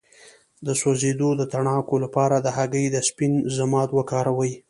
د سوځیدو د تڼاکو لپاره د هګۍ د سپین ضماد وکاروئ